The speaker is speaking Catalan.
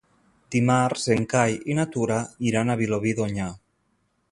Dimarts en Cai i na Tura iran a Vilobí d'Onyar.